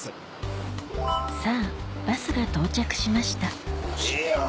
さぁバスが到着しましたええやん